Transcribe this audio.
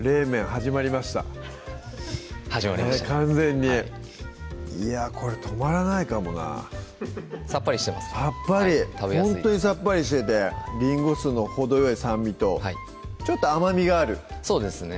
はじまりましたか完全にいやこれ止まらないかもなさっぱりしてますからさっぱりほんとにさっぱりしててりんご酢の程よい酸味とちょっと甘みがあるそうですね